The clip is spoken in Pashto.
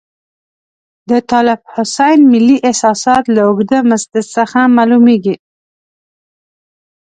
د طالب حسین ملي احساسات له اوږده مسدس څخه معلوميږي.